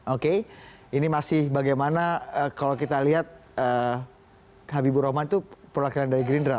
oke ini masih bagaimana kalau kita lihat habibur rahman itu perwakilan dari gerindra